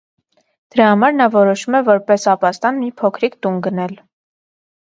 Դրա համար նա որոշում է որպես ապաստան մի փոքրիկ տուն գնել։